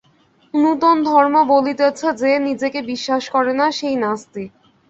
নূতন ধর্ম বলিতেছে যে নিজেকে বিশ্বাস করে না, সেই নাস্তিক।